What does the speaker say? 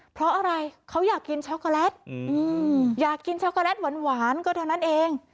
เพราะอะไรเขาอยากกินช็อกโกแลตอยากกินช็อกโกแลตหวานก็เท่านั้นเอง